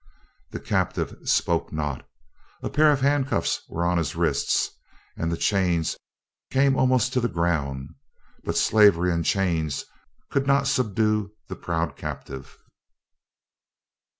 The captive spoke not. A pair of handcuffs were on his wrists, and the chains came almost to the ground; but slavery and chains could not subdue the proud captive.